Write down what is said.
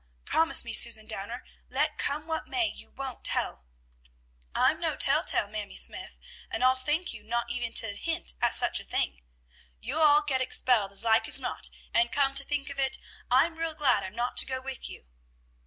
Promise me, Susan Downer, let come what may, you won't tell." "I'm no tell tale, Mamie Smythe, and I'll thank you not even to hint at such a thing. You'll all get expelled, as like as not, and, come to think of it, I'm real glad I'm not to go with you."